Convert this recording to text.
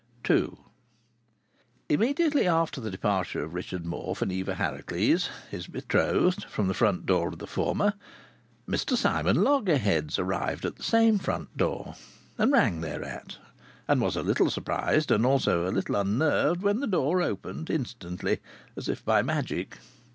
II Immediately after the departure of Richard Morfe and Eva Harracles, his betrothed, from the front door of the former, Mr Simon Loggerheads arrived at the same front door, and rang thereat, and was a little surprised, and also a little unnerved, when the door opened instantly, as if by magic.